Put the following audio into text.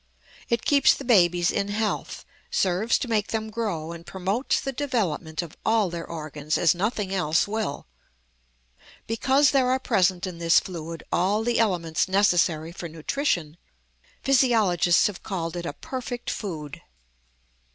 It keeps the babies in health, serves to make them grow, and promotes the development of all their organs as nothing else will. Because there are present in this fluid all the elements necessary for nutrition, physiologists have called it a perfect food.